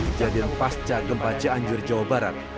kejadian pasca gempa cianjur jawa barat